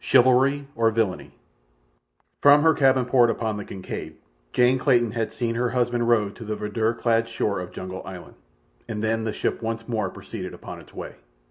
Chivalry or Villainy From her cabin port upon the Kincaid, Jane Clayton had seen her husband rowed to the verdure clad shore of Jungle Island, and then the ship once more proceeded upon its way.